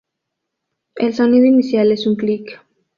El sonido inicial es un clic.